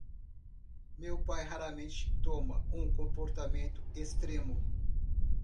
Meu pai raramente toma um comportamento extremo.